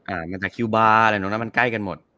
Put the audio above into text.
อ่าอย่างจากคิวบาร์มันใกล้กันหมด